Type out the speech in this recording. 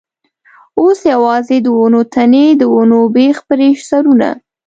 اوس یوازې د ونو تنې، د ونو بېخه برې سرونه.